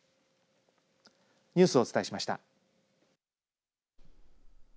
ニュースをお伝えしました。